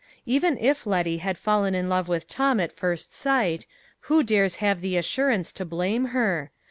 Even if Letty had fallen in love with Tom at first sight, who dares have the assurance to blame her?